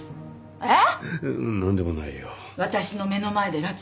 えっ？